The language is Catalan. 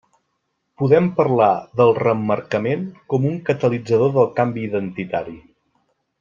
Podem parlar del reemmarcament com un catalitzador del canvi identitari.